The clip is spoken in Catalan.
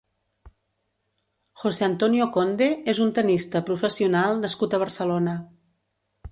José Antonio Conde és un tennista professional nascut a Barcelona.